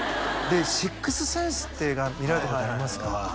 「シックス・センス」って映画見られたことありますか？